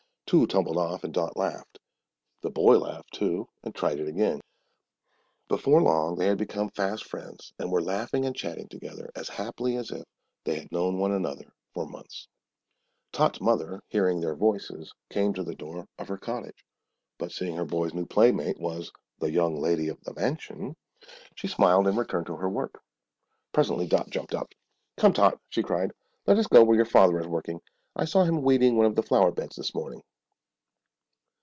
Two tumbled off, and Dot laughed. The boy laughed, too, and tried it again. Before long they had become fast friends, and were laughing and chatting together as happily as if they had known one another for months. Tot's mother, hearing their voices, came to the door of her cottage; but seeing her boy's new playmate was "the young lady at the mansion," she smiled and returned to her work. Presently Dot jumped up. "Come, Tot," she cried, "let us go where your father is working. I saw him weeding one of the flower beds this morning."